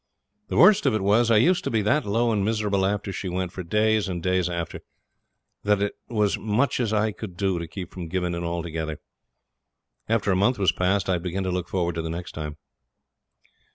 The worst of it was, I used to be that low and miserable after she went, for days and days after, that it was much as I could do to keep from giving in altogether. After a month was past I'd begin to look forward to the next time.